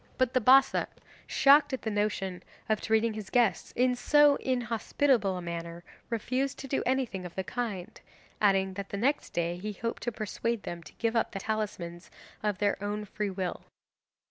But the Bassa, shocked at the notion of treating his guests in so inhospitable a manner, refused to do anything of the kind, adding that the next day he hoped to persuade them to give the talismans up of their own free will.